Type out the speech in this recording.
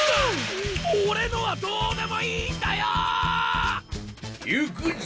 俺のはどうでもいいんだよ‼ゆくぞ！